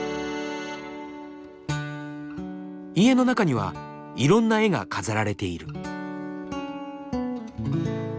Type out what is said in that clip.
家の中にはいろんな絵が飾られている。